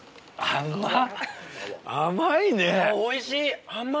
甘っ。